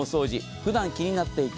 ふだん気になっていた